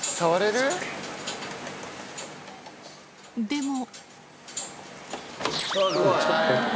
でも。